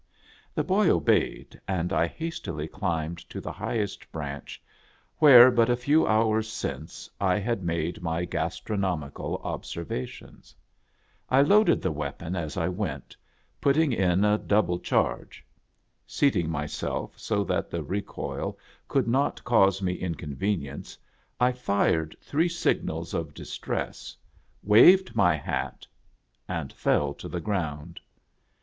. The boy obeyed, and I hastily climbed to the high est branch, where, but a few hours since, I had made mygastronomical observations. I loaded the weapon as" I went, putting in a double charge. Seating myself so that the recoil could not cause me incon venience, 1 fired three signals of distress, waved my hat, and fell to the ground.